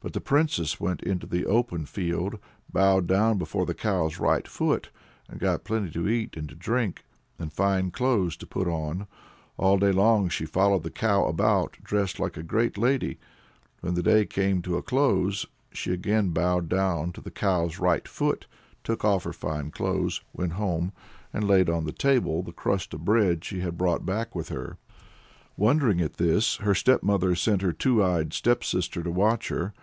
But "the princess went into the open field, bowed down before the cow's right foot, and got plenty to eat and to drink, and fine clothes to put on; all day long she followed the cow about dressed like a great lady when the day came to a close, she again bowed down to the cow's right foot, took off her fine clothes, went home and laid on the table the crust of bread she had brought back with her." Wondering at this, her stepmother sent her two eyed stepsister to watch her.